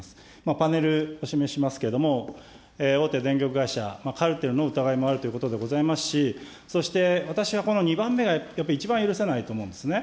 パネルを示しますけれども、大手電力会社、カルテルの疑いもあるということでございますし、そして私はこの２番目がやっぱり一番許せないと思うんですね。